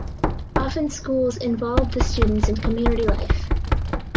Often schools involve the students in community life.